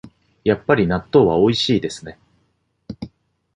やっぱり納豆はおいしいですね